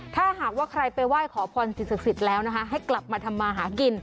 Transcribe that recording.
ถ้าหากว่าใครไปไหว้ขอพรสิ่งศักดิ์สิทธิ์แล้วนะคะให้กลับมาทำมาหากิน